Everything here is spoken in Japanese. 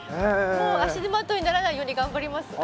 足手まといにならないように頑張ります。